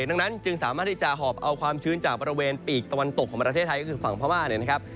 ดังนั้นจึงสามารถที่จะหอบเอาความชื้นจากบริเวณปีกตะวันตกของประเทศไทยก็คือฝั่งพม่าเนี่ยนะครับ